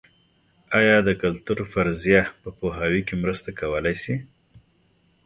ایا د کلتور فرضیه په پوهاوي کې مرسته کولای شي؟